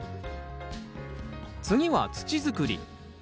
次は土づくり。